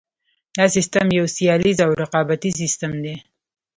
دا سیستم یو سیالیز او رقابتي سیستم دی.